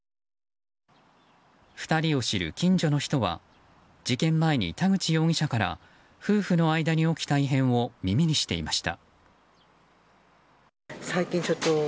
２人を知る近所の人は事件前に田口容疑者から夫婦の間に起きた異変を耳にしていました。